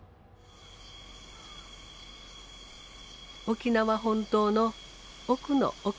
沖縄本島の奥の奥。